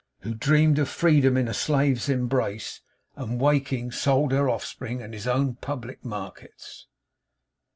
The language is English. who dreamed of Freedom in a slave's embrace, and waking sold her offspring and his own in public markets.